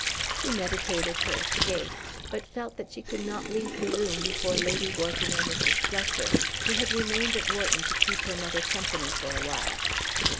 She meditated her escape, but felt that she could not leave the room before Lady Wharton or Mrs. Fletcher, who had remained at Wharton to keep her mother company for a while.